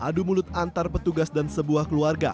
adu mulut antar petugas dan sebuah keluarga